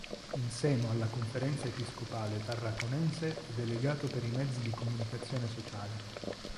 In seno alla Conferenza episcopale tarraconense è delegato per i mezzi di comunicazione sociale.